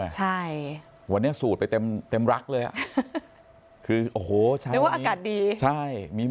ใช่วันนี้สูดไปเต็มรักเลยคือโอ้โหเหมือนว่าอากาศดีใช่มี